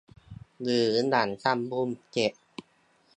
หรือหลังทำบุญเสร็จ